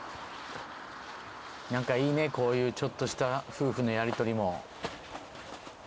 なんかいいねこういうちょっとした夫婦のやり取りも。